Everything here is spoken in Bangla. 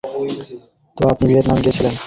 তো আপনি ভিয়েতনামে ছিলেন, যদি ভুল না করি?